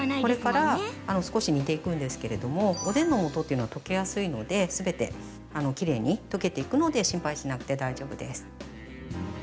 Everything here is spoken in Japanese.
これから少し煮ていくんですけれどもおでんのもとというのは溶けやすいのですべてきれいに溶けていくので心配しなくて大丈夫です。